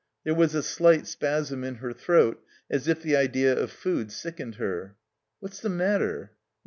There was a slight spasm in her throat as if the idea of food sickened her. "What's the matter?"